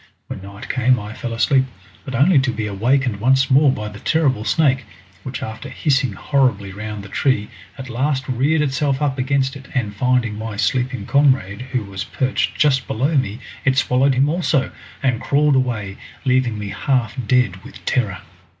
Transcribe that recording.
When night came I fell asleep, but only to be awakened once more by the terrible snake, which after hissing horribly round the tree at last reared itself up against it, and finding my sleeping comrade who was perched just below me, it swallowed him also, and crawled away leaving me half dead with terror.